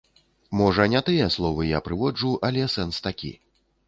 Можа не тыя словы я прыводжу, але сэнс такі.